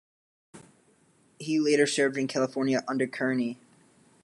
He later served in California under Kearny.